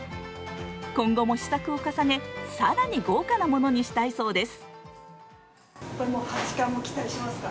今後も試作を重ね、更に豪華なものにしたいそうです。